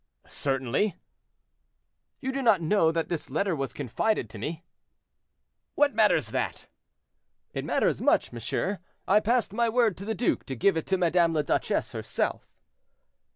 "Certainly." "You do not know that this letter was confided to me." "What matters that?" "It matters much, monsieur; I passed my word to the duke to give it to Madame la Duchesse herself."